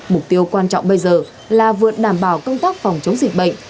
mục tiêu quan trọng bây giờ là vượt đảm bảo công tác phòng chống dịch bệnh